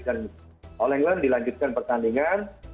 dan oleng oleng dilanjutkan pertandingan